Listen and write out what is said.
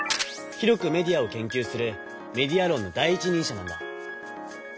広くメディアを研究するメディアろんの第一人者なんだ。